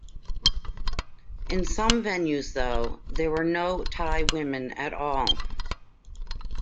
In some venues though, there were no Thai women at all.